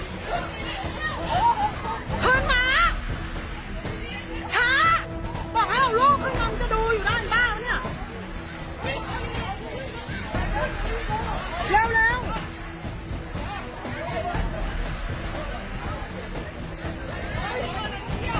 บอกให้เอาลูกขึ้นมามันจะดูอยู่ด้านหรือเปล่าเนี่ย